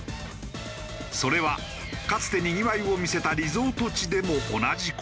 それはかつてにぎわいを見せたリゾート地でも同じ事が。